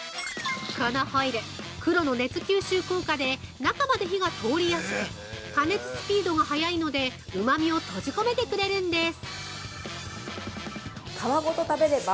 このホイル、黒の熱吸収効果で中まで火が通りやすく加熱スピードが早いのでうまみを閉じ込めてくれるんです。